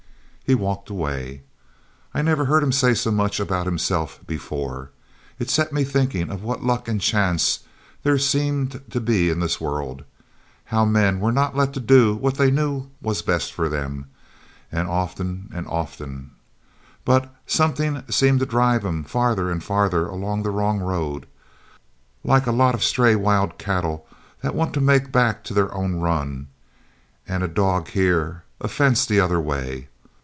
He walked away. I never heard him say so much about himself before. It set me thinking of what luck and chance there seemed to be in this world. How men were not let do what they knew was best for 'em often and often but something seemed to drive 'em farther and farther along the wrong road, like a lot of stray wild cattle that wants to make back to their own run, and a dog here, a fence the other way.